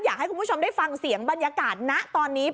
อยากให้คุณผู้ชมได้ฟังเสียงบรรยากาศนะตอนนี้